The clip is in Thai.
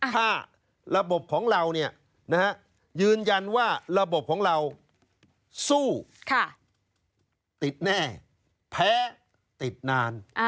ถ้าระบบของเรายืนยันว่าระบบของเราสู้ติดแน่แพ้ติดนาน